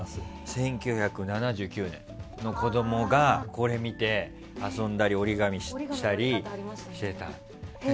１９７９年の子供がこれを見て遊んだり、折り紙したりしてたと。